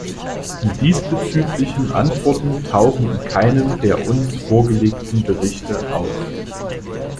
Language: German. Die diesbezüglichen Antworten tauchen in keinem der uns vorgelegten Berichte auf.